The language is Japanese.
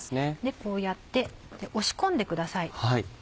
こうやって押し込んでください。